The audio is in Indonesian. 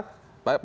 baik pak binsar